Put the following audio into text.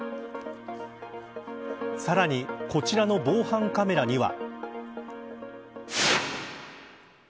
さらにこちらの防犯カメラには。